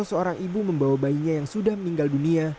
seorang ibu membawa bayinya yang sudah meninggal dunia